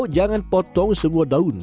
jangan potong semua daun